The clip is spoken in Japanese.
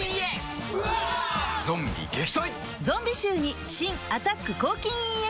ゾンビ臭に新「アタック抗菌ＥＸ」